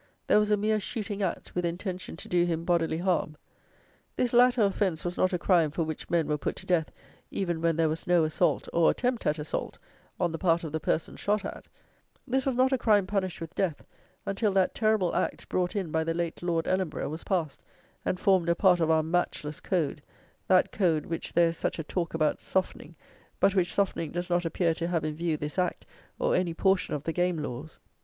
There was a mere shooting at, with intention to do him bodily harm. This latter offence was not a crime for which men were put to death, even when there was no assault, or attempt at assault, on the part of the person shot at; this was not a crime punished with death, until that terrible act, brought in by the late Lord Ellenborough, was passed, and formed a part of our matchless Code, that Code which there is such a talk about softening; but which softening does not appear to have in view this Act, or any portion of the Game Laws.